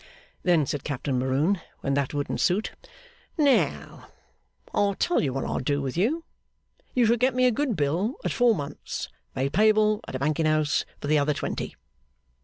Then said Captain Maroon, when that wouldn't suit, 'Now, I'll tell what I'll do with you. You shall get me a good bill at four months, made payable at a banking house, for the other twenty!